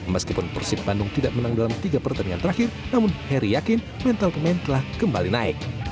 meskipun persib bandung tidak menang dalam tiga pertandingan terakhir namun heri yakin mental pemain telah kembali naik